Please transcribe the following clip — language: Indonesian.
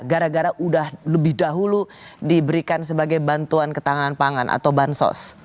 gara gara udah lebih dahulu diberikan sebagai bantuan ketahanan pangan atau bansos